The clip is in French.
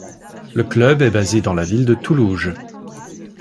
Le club est basé dans la ville de Toulouges.